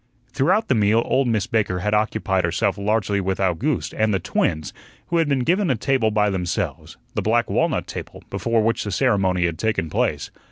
Throughout the meal old Miss Baker had occupied herself largely with Owgooste and the twins, who had been given a table by themselves the black walnut table before which the ceremony had taken place.